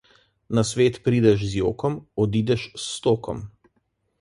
Na svet prideš z jokom, odideš s stokom.